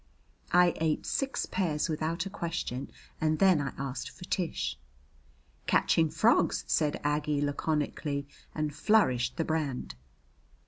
I ate six pairs without a question and then I asked for Tish. "Catching frogs," said Aggie laconically, and flourished the brand.